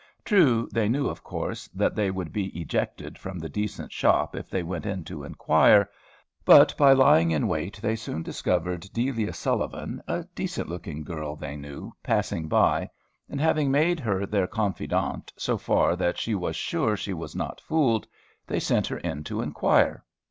True, they knew, of course, that they would be ejected from the decent shop if they went in to inquire. But, by lying in wait, they soon discovered Delia Sullivan, a decent looking girl they knew, passing by, and having made her their confidant, so far that she was sure she was not fooled, they sent her in to inquire.